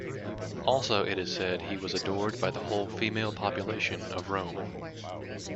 Also, it is said he was adored by the whole female population of Rome.